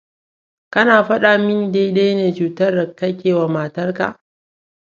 Kana faɗa minidai-dai ne cutar da kake wa matarka?